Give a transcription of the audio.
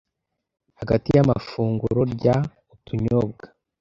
Hagati y’amafunguro rya utunyobwa